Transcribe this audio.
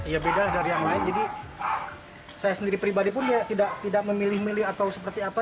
ya beda dari yang lain jadi saya sendiri pribadi pun ya tidak memilih milih atau seperti apa